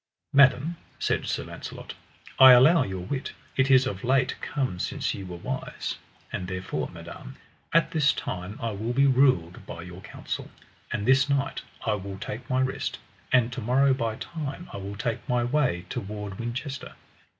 Madam, said Sir Launcelot, I allow your wit, it is of late come since ye were wise. And therefore, madam, at this time I will be ruled by your counsel, and this night I will take my rest, and to morrow by time I will take my way toward Winchester.